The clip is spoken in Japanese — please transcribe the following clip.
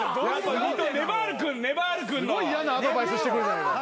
すごい嫌なアドバイスしてくるじゃないか。